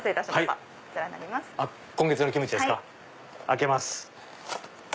開けます。